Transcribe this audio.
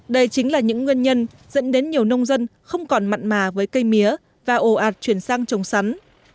đây chính là những nguyên nhân dẫn đến nhiều nông dân không còn mặn mà với cây mía và ồ ạt chuyển sang trồng sắn